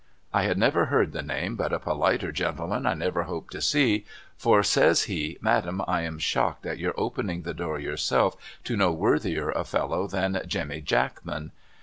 ' I had never heard the name but a politer gentleman I never hope to see, for says he ' Madam I am shocked at your opening the door yourself to no worthier a fellow than Jemmy Jackman.